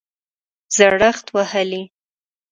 زړښت وهلی